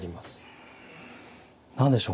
何でしょう